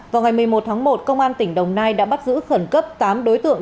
vào ngày một mươi một tháng một công an tỉnh đồng nai đã bắt giữ khẩn cấp tám đối tượng